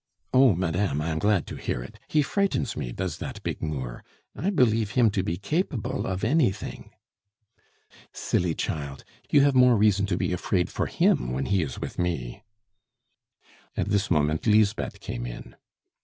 "Oh, madame, I am glad to hear it; he frightens me, does that big Moor! I believe him to be capable of anything." "Silly child! you have more reason to be afraid for him when he is with me." At this moment Lisbeth came in.